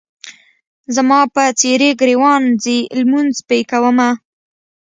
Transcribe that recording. زما په څېرې ګریوان ځي لمونځ پې کومه.